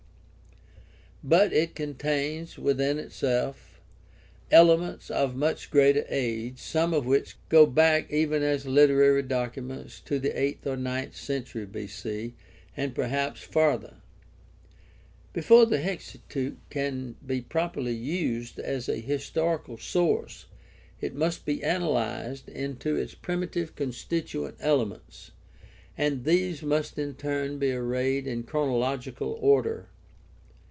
but it contains within itself elements of much greater age, some of which go back even as literary documents to the eighth or ninth century OLD TESTAMENT AND RELIGION OF ISRAEL 121 B.C., and perhaps farther.^ Before the Hexateuch can be properly used as a historical source it must be analyzed into its primitive constituent elements, and these must in turn be arranged in chronological order.